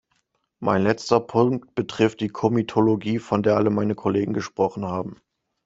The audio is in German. Mein letzter Punkt betrifft die Komitologie, von der alle meine Kollegen gesprochen haben.